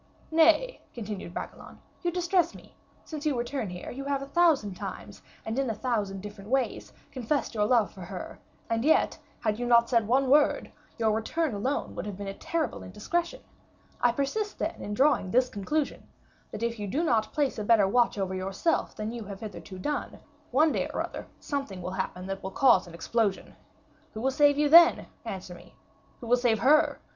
"Nay," continued Bragelonne, "you distress me; since your return here, you have a thousand times, and in a thousand different ways, confessed your love for her; and yet, had you not said one word, your return alone would have been a terrible indiscretion. I persist, then, in drawing this conclusion; that if you do not place a better watch over yourself than you have hitherto done, one day or other something will happen that will cause an explosion. Who will save you then? Answer me. Who will save her?